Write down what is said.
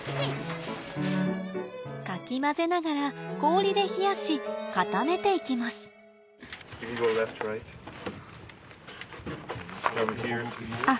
かき混ぜながら氷で冷やし固めていきますあっ。